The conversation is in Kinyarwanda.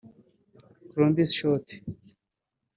Colombus Short